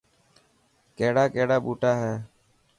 ڪهڙا ڪهڙا ٻوٽا هي.